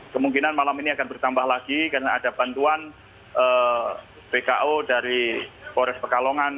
kemungkinan malam ini akan bertambah lagi karena ada bantuan bko dari polres pekalongan